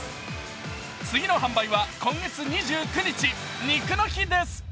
次の販売は今月２９日、肉の日です